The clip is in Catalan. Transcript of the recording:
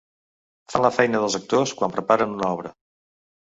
Fan la feina dels actors quan preparen una obra.